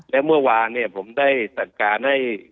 และเมื่อวานผมได้สัดการให้